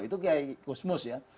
itu kayak gusmus ya